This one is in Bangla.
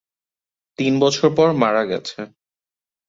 তিন বছর পর মারা গেছে।